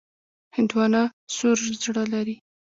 هندوانه سور زړه لري.